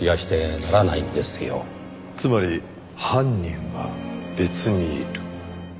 つまり犯人は別にいる。